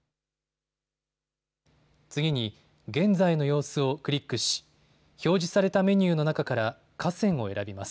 次に現在の様子をクリックし表示されたメニューの中から河川を選びます。